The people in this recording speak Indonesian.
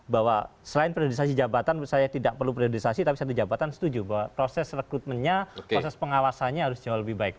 bahwa selain priorisasi jabatan saya tidak perlu priorisasi tapi satu jabatan setuju bahwa proses rekrutmennya proses pengawasannya harus jauh lebih baik